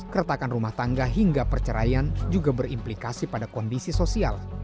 keretakan rumah tangga hingga perceraian juga berimplikasi pada kondisi sosial